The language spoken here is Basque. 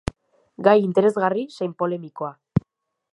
Gai interesgarri zein polemikoa.